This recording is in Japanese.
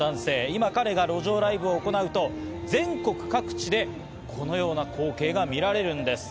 今、彼が路上ライブを行うと、全国各地でこのような光景が見られるんです。